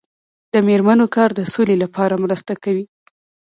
د میرمنو کار د سولې لپاره مرسته کوي.